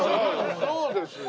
そうですよ。